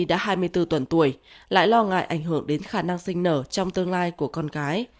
đã hai mươi bốn tuần tuổi lại lo ngại ảnh hưởng đến khả năng sinh nở trong tương lai của con cái